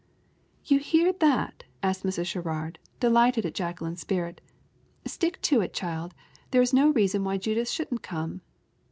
"You hear that?" asked Mrs. Sherrard, delighted at Jacqueline's spirit. "Stick to it, child; there is no reason why Judith shouldn't come."